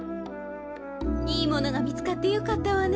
いいものがみつかってよかったわね。